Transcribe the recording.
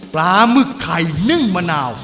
ปลาหมึกไข่นึ่งมะนาว